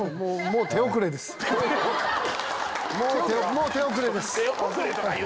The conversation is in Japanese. もう手遅れです。